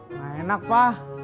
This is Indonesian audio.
enggak enak pak